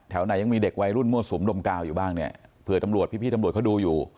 ไหนยังมีเด็กวัยรุ่นมั่วสุมดมกาวอยู่บ้างเนี่ยเผื่อตำรวจพี่พี่ตำรวจเขาดูอยู่